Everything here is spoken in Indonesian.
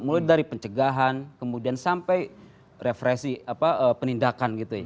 mulai dari pencegahan kemudian sampai referensi penindakan gitu ya